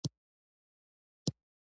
ژبه د اشنايي لاره ده